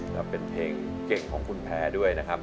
และเป็นเพลงเก่งของคุณแพรด้วยนะครับ